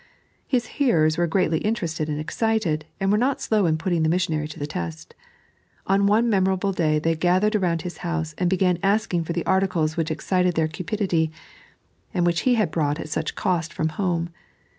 His hearers were greatly interested and excited, and were not slow in putting the missionary to the test. On one memorable day they gathered around his house, and began asking for the articles which excited their cupidity, and which he had brought at such cost from home.